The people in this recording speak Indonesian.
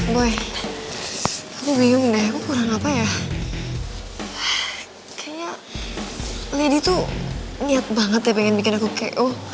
gue ngium deh kurang apa ya kayaknya itu niat banget ya pengen bikin aku ke